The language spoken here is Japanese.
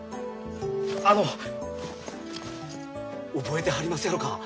あの覚えてはりますやろか。